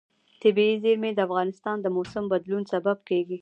طبیعي زیرمې د افغانستان د موسم د بدلون سبب کېږي.